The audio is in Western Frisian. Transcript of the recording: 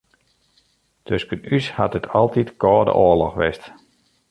Tusken ús hat it altyd kâlde oarloch west.